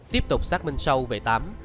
tiếp tục xác minh sâu về tám